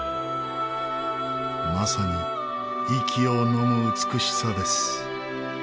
まさに息をのむ美しさです。